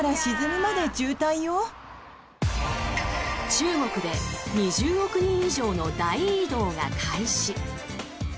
中国で２０億人以上の大移動が開始。